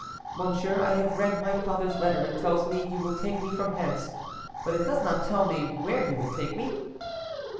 'Monsieur, I have read my father's letter, it tells me you will take me from hence, but it does not tell me where you will take me.